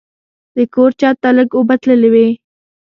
د کور چت ته لږ اوبه تللې وې.